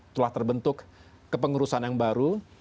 telah terbentuk ke pengurusan yang baru